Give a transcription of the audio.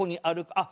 あっ！